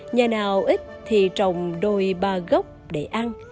nhà nào ít thì trồng đôi ba gốc để ăn